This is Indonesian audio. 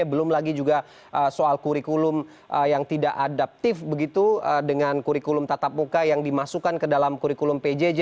belum lagi juga soal kurikulum yang tidak adaptif begitu dengan kurikulum tatap muka yang dimasukkan ke dalam kurikulum pjj